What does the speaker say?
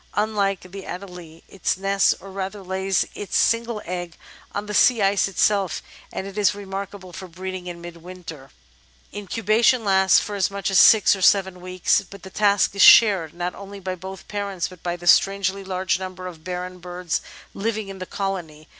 Unlike the Ad^lie it nests, or rather lays its single egg, on the sea ice itself, and it is remarkable for breeding in mid winter. The Emperor Penguin Incubation lasts for as much as six or seven weeks, but the task is shared, not only by both parents, but by the strangely large number of barren birds living in the colony.